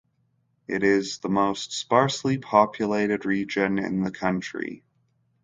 It is the most sparsely populated region in the country.